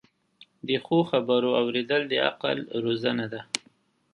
د ښو خبرو اوریدل د عقل روزنه ده.